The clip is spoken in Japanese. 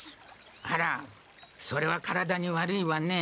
あらそれは体に悪いわね。